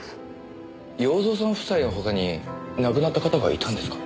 洋蔵さん夫妻の他に亡くなった方がいたんですか？